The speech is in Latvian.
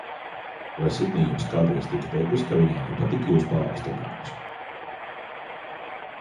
Vai Sidnija jums kādreiz tika teikusi, ka viņai nepatika jūsu paaugstinājums?